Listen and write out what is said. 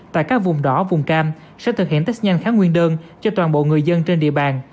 tại các vùng đỏ vùng cam sẽ thực hiện test nhanh khá nguyên đơn cho toàn bộ người dân trên địa bàn